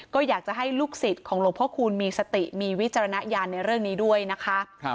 ก็อยากจะให้ลูกศิษย์ของหลวงพ่อคูณมีสติมีวิจารณญาณในเรื่องนี้ด้วยนะคะ